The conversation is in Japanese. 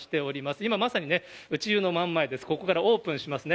今、まさにね、内湯の真ん前です、ここからオープンしますね。